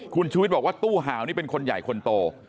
คุณชูวิทย์บอกว่าตู้ห่าวนี่เป็นคนใหญ่คนโต